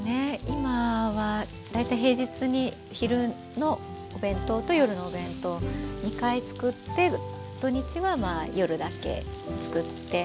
今は大体平日に昼のお弁当と夜のお弁当２回作って土日はまあ夜だけ作って。